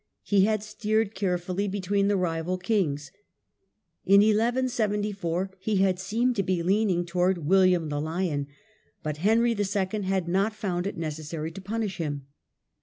He had steered carefully between the rival kings. In 11 74 he had seemed to be leaning towards William the Lion, but Henry II. had not found it neces sary to punish him.